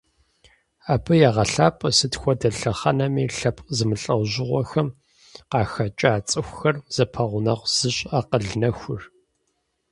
Абы егъэлъапӀэ сыт хуэдэ лъэхъэнэми лъэпкъ зэмылӀэужьыгъуэхэм къахэкӀа цӀыхухэр зэпэгъунэгъу зыщӀ акъыл нэхур.